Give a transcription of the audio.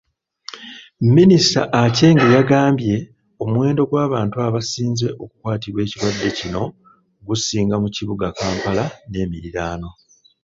Minisita Aceng yagambye omuwendo gw’abantu abasinze okukwatibwa ekirwadde kino gusinga mu kibuga Kampala n’emiriraano.